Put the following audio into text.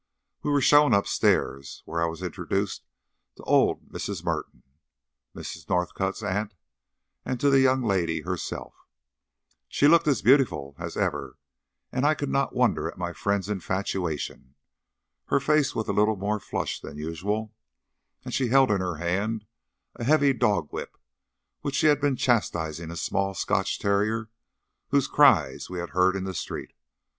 We were shown upstairs, where I was introduced to old Mrs. Merton, Miss Northcott's aunt, and to the young lady herself. She looked as beautiful as ever, and I could not wonder at my friend's infatuation. Her face was a little more flushed than usual, and she held in her hand a heavy dog whip, with which she had been chastising a small Scotch terrier, whose cries we had heard in the street.